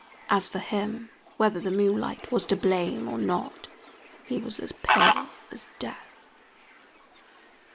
As for him, whether the moonlight was to blame or not, he was as pale as death.